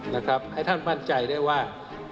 นะครับให้ท่านมั่นใจได้ว่า